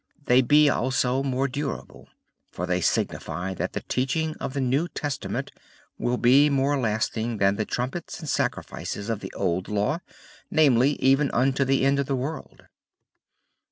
They be also more durable: For they signify that the teaching of the New Testament will be more lasting than the trumpets and sacrifices of the Old Law, namely, even unto the end of the world.